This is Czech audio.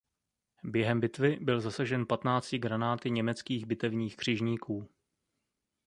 Během bitvy byl zasažen patnácti granáty německých bitevních křižníků.